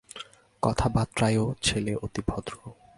কথায় বার্তায়ও ছেলে অতি ভদ্র।